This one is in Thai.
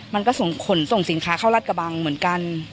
มันก็ส่งขนส่งสินค้าเข้ารัฐกระบังเหมือนกัน